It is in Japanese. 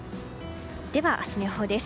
では、明日の予報です。